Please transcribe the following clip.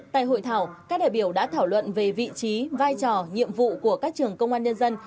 tại hội thảo các đại biểu đã thảo luận về vị trí vai trò nhiệm vụ của các trường công an nhân dân